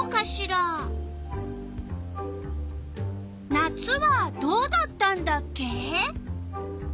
夏はどうだったんだっけ？